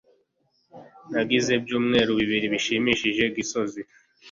nagize ibyumweru bibiri bishimishije gisozi